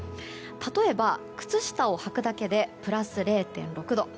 例えば靴下を履くだけでプラス０．６度。